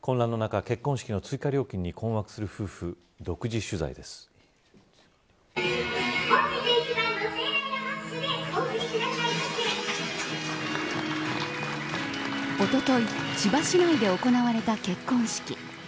混乱の中結婚式の追加料金に困惑する夫婦おととい千葉市内で行われた結婚式。